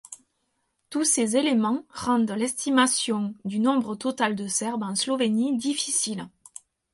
Tous ces éléments rendent l'estimation du nombre total de Serbes en Slovénie difficile.